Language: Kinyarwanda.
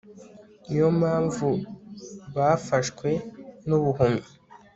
ni yo mpamvu bafashwe n'ubuhumyi